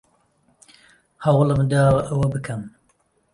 هەوڵم داوە ئەوە بکەم.